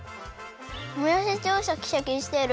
もやしちょうシャキシャキしてる！